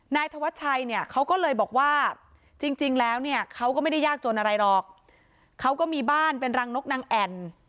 นายธวัชชัยเนี่ยเขาก็เลยบอกว่าจริงแล้วเนี่ยเขาก็ไม่ได้ยากจนอะไรหรอกเขาก็มีบ้านเป็นรังนกนางแอ่น